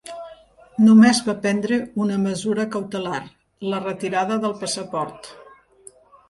Només va prendre una mesura cautelar, la retirada del passaport.